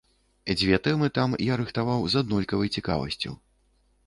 Дзве тэмы там я рыхтаваў з аднолькавай цікавасцю.